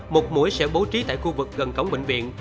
một mũi sẽ bố trí tại khu vực gần cổng bệnh viện